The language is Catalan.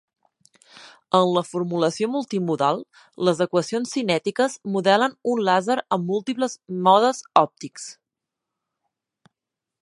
En la formulació multimodal, les equacions cinètiques modelen un làser amb múltiples modes òptics.